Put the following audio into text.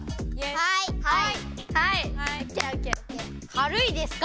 かるいですか？